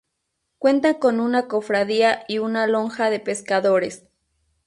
Cuenta con una cofradía y una lonja de pescadores.